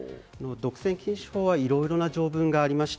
独占禁止法はいろいろな条文があります。